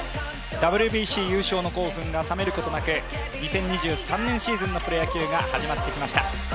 ＷＢＣ優勝の興奮が冷めることなく２０２３年シーズンのプロ野球が始まってきました。